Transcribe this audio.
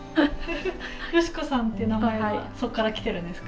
ヨシコさんって名前はそこから来てるんですか？